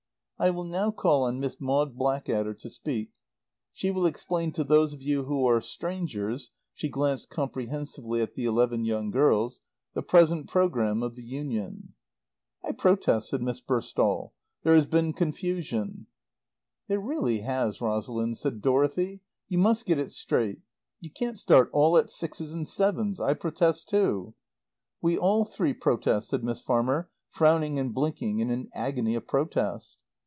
"I will now call on Miss Maud Blackadder to speak. She will explain to those of you who are strangers" (she glanced comprehensively at the eleven young girls) "the present program of the Union." "I protest," said Miss Burstall. "There has been confusion." "There really has, Rosalind," said Dorothy. "You must get it straight. You can't start all at sixes and sevens. I protest too." "We all three protest," said Miss Farmer, frowning and blinking in an agony of protest.